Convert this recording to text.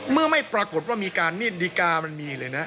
เมื่อไม่ปรากฏว่ามีการนี่ดีกามันมีเลยนะ